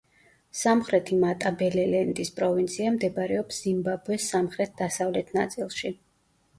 სამხრეთი მატაბელელენდის პროვინცია მდებარეობს ზიმბაბვეს სამხრეთ-დასავლეთ ნაწილში.